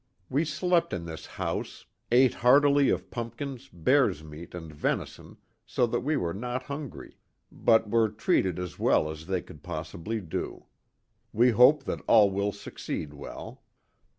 We slept in this house, ate heartily of pumpkins, bear's meat and veni son, so that we were not hungry; but were treated as well as they could possibly do. We hope that all will succeed well.